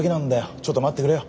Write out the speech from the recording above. ちょっと待ってくれよ。